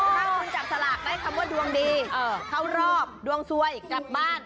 ถ้าคุณจับสลากได้คำว่าดวงดีเข้ารอบดวงซวยกลับบ้าน